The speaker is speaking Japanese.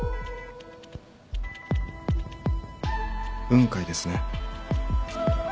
雲海ですね。